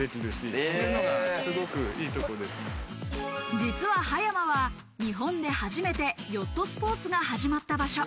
実は葉山は日本で初めてヨットスポーツが始まった場所。